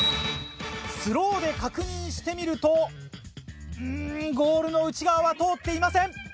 スローで確認してみるとうんゴールの内側は通っていません。